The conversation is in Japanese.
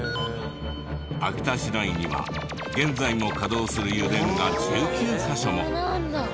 秋田市内には現在も稼働する油田が１９カ所も。